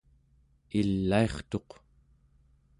ilairtuq